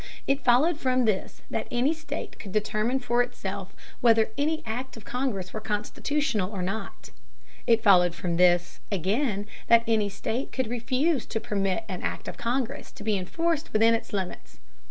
It followed from this that any state could determine for itself whether any act of Congress were constitutional or not. It followed from, this, again, that any state could refuse to permit an Act of Congress to be enforced within its limits.